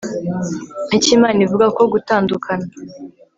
icyo imana ivuga ku gutandukana